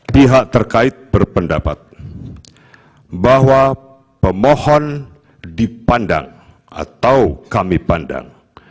pihak terkait berpendapat bahwa pemohon dipandang atau kami pandang